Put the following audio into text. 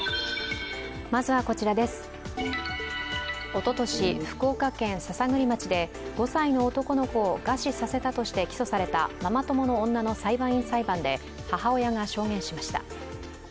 おととし、福岡県篠栗町で５歳の男の子を餓死させたとして起訴されたママ友の女の裁判員裁判で母親が証言しました。